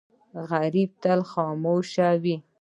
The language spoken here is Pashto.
غریب تل خاموش وي